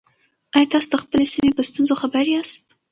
آیا تاسو د خپلې سیمې په ستونزو خبر یاست؟